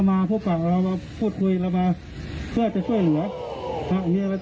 อ่าข้าวเหนียว